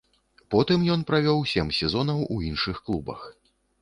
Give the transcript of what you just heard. Потым ён правёў сем сезонаў у іншых клубах.